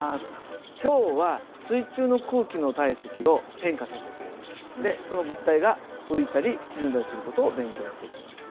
今日は水中の空気の体積を変化させてでその物体が浮いたり沈んだりする事を勉強してきました。